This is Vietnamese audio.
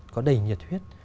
có đầy nhiệt huyết